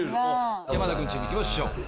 山田君チーム行きましょう。